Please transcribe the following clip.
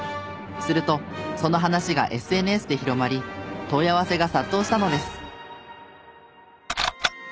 するとその話がＳＮＳで広まり問い合わせが殺到したのです。